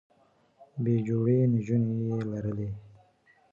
بې جوړې نجونې لرلې